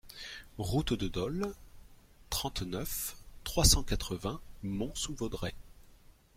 Route de Dole, trente-neuf, trois cent quatre-vingts Mont-sous-Vaudrey